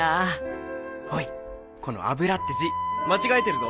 おいこの「油」って字間違えてるぞ。